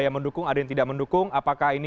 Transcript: yang mendukung ada yang tidak mendukung apakah ini